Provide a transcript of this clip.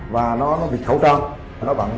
và nó bịt khẩu trang